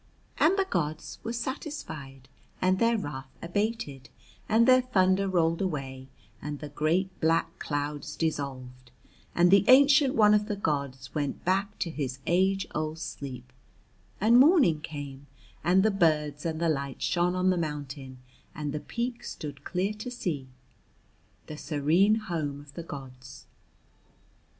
And the gods were satisfied, and their wrath abated, and their thunder rolled away and the great black clouds dissolved, and the ancient one of the gods went back to his age old sleep, and morning came, and the birds and the light shone on the mountain, and the peak stood clear to see, the serene home of the gods.